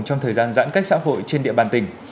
trong thời gian giãn cách xã hội trên địa bàn tỉnh